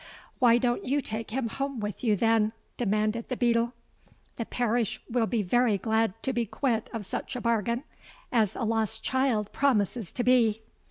'—'Why don't you take him home with you, then?' demanded the beadle: 'the parish will be very glad to be quit of such a bargain as a lost child promises to be.'